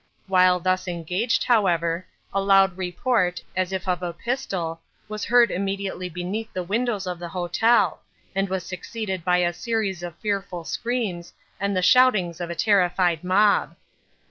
While thus engaged, however, a loud report, as if of a pistol, was heard immediately beneath the windows of the hotel, and was succeeded by a series of fearful screams, and the shoutings of a terrified mob.